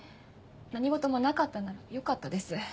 何事もなかったならよかったです。